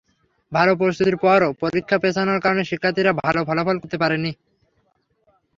ভালো প্রস্তুতির পরও পরীক্ষা পেছানোর কারণে শিক্ষার্থীরা ভালো ফলাফল করতে পারেনি।